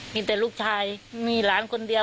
มีแต่ลูกชายมีหลานคนเดียว